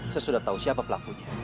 saya sudah tahu siapa pelakunya